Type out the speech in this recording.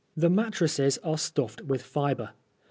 128 The mattreBB68 are stuffed with fibre.